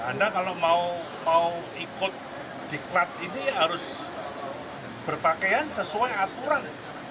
anda kalau mau ikut diklat ini harus berpakaian sesuai aturan